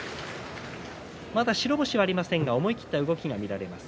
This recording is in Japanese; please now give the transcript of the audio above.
まだ白星はありませんが思い切った動きが見られます